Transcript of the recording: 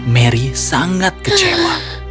mary sangat kecewa